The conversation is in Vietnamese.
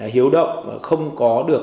hiếu động không có được